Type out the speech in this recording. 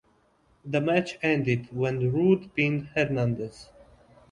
The match ended when Roode pinned Hernandez.